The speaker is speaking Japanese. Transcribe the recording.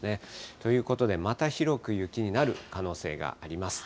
ということで、また広く雪になる可能性があります。